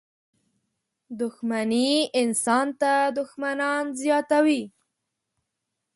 • دښمني انسان ته دښمنان زیاتوي.